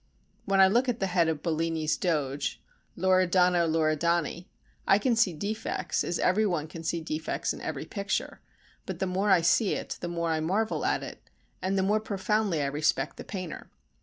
When I look at the head of Bellini's Doge, Loredano Loredani, I can see defects, as every one can see defects in every picture, but the more I see it the more I marvel at it, and the more profoundly I respect the painter.